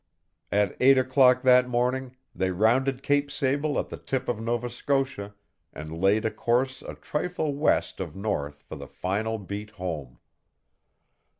At eight o'clock that morning they rounded Cape Sable at the tip of Nova Scotia, and laid a course a trifle west of north for the final beat home.